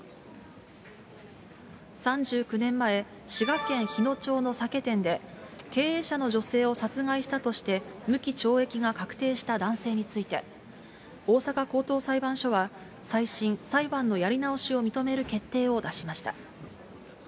３９年前、滋賀県日野町の酒店で、経営者の女性を殺害したとして、無期懲役が確定した男性について、大阪高等裁判所は、再審・裁判のやり直しを認める決定を出しました。